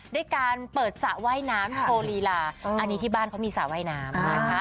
ด้วยการเปิดสระว่ายน้ำโชว์ลีลาอันนี้ที่บ้านเขามีสระว่ายน้ำนะคะ